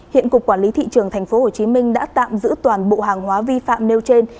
hiện cục quản lý thị trường tp hcm đã tạm giữ toàn bộ hàng hóa vi phạm nêu trên